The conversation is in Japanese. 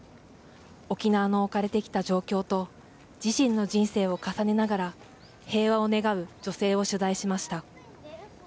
沖縄の置かれてきた状況と、自身の人生を重ねながら、平和を願う女性を取材しました。